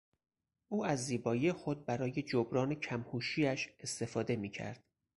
او از زیبایی خود برای جبران کم هوشیاش استفاده میکرد.